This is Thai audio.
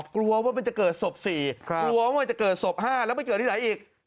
กลัวว่ามันจะเกิดศพ๔กลัวว่ามันจะเกิดศพ๕แล้วไปเกิดที่ไหนอีก